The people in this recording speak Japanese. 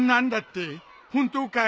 本当かい？